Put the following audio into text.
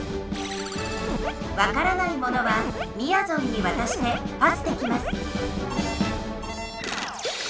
わからないものはみやぞんにわたしてパスできます